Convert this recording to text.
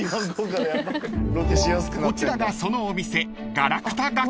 ［こちらがそのお店］